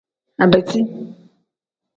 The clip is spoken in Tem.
Abeti.